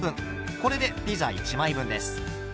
これでピザ１枚分です。